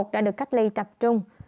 đã được cách ly tập trung